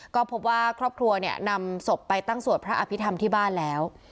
ก็พบว่าครอบครัวเนี่ยนำศพไปตั้งสวดพระอภิษฐรรมที่บ้านแล้ว